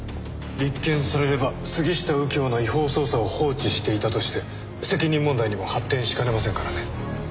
立件されれば杉下右京の違法捜査を放置していたとして責任問題にも発展しかねませんからね。